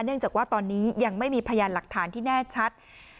เนื่องจากว่าตอนนี้ยังไม่มีพยานหลักฐานที่แน่ชัด